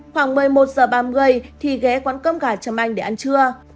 khoảng một mươi một h ba mươi thì ghé quán cơm gà châm anh để ăn trưa